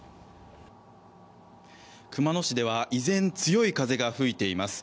熊野市では依然、強い風が吹いています。